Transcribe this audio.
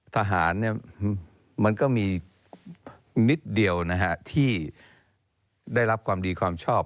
ทหารมันก็มีนิดเดียวที่ได้รับความดีความชอบ